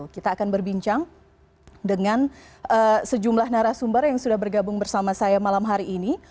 kita akan berbincang dengan sejumlah narasumber yang sudah bergabung bersama saya malam hari ini